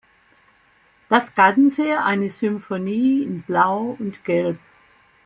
Das Ganze eine Symphonie in Blau und Gelb.